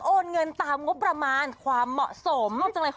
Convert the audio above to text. โอนเงินตามงบประมาณความเหมาะสม